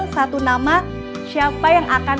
satu nama siapa yang akan